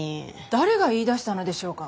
誰が言いだしたのでしょうか？